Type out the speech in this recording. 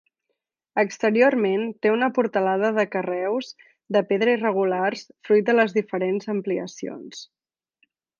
Exteriorment té una portalada de carreus de pedra irregulars fruit de les diferents ampliacions.